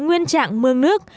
nguyên trạng mương nước